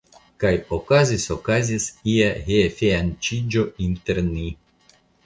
Ke okazis okazis ia gefianĉiĝo inter ni.